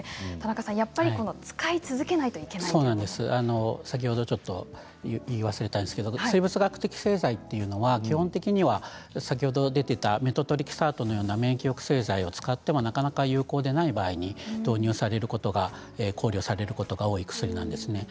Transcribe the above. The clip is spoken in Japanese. やっぱり使い続けないと先ほどちょっと言い忘れたんですけど生物学的製剤というのは基本的には先ほど出ていたメトトレキサートのような免疫抑制剤を使ってもなかなか有効でない場合に導入されることが考慮されることが多い薬なんですね。